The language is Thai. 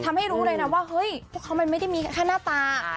ทำให้รู้เลยนะว่าเฮ้ยเขาไม่ได้มีแค่หน้าตา